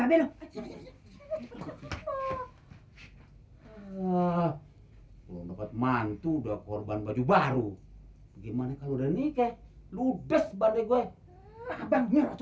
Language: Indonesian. belum dapat mantu dah korban baju baru gimana kalau udah nikah ludas bandegue abang nyurus aja